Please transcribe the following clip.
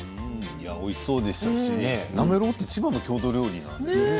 おいしそうでしたしなめろうって千葉の郷土料理なんですね。